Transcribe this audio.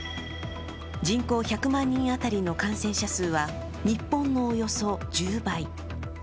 人口１００万人当たりの感染者数は日本のおよそ１０倍。